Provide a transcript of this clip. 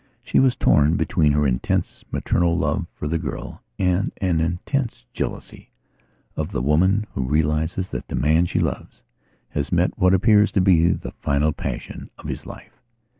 She was torn between her intense, maternal love for the girl and an intense jealousy of the woman who realizes that the man she loves has met what appears to be the final passion of his life.